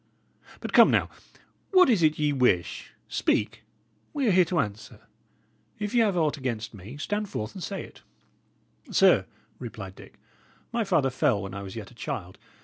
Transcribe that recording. But, come, now, what is it ye wish? Speak; we are here to answer. If ye have aught against me, stand forth and say it." "Sir," replied Dick, "my father fell when I was yet a child.